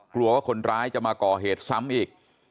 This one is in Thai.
กลัวว่าคนร้ายจะมาก่อเหตุซ้ำอีก